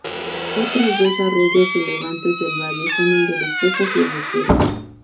Otros dos arroyos relevantes del valle son el de los Tejos y el Boquerón.